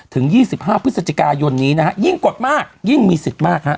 ถึง๒๕พฤศจิกายนนี้นะฮะยิ่งกดมากยิ่งมีสิทธิ์มากฮะ